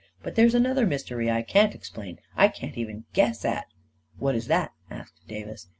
But there's another mystery I can't explain — I can't even guess at •.."" What is that? " asked Davis.